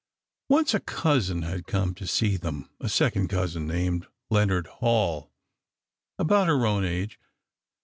Once, a cousin had come to see them—a second cousin, named Leonard Hall, about her own age.